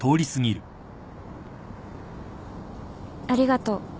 ありがとう。